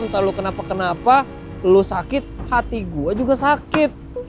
entah lu kenapa kenapa lu sakit hati gue juga sakit